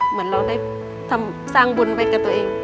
เหมือนเราได้สร้างบุญไปกับตัวเอง